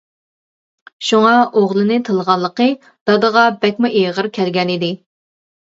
شۇڭا ئوغلىنى تىللىغانلىقى دادىغا بەكمۇ ئېغىر كەلگەن ئىكەن.